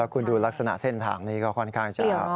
คุณดูลักษณะเส้นทางนี้ก็ค่อนข้างจะยาก